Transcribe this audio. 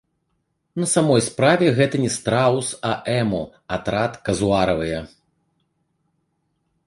На самой справе, гэта не страус, а эму, атрад казуаравыя.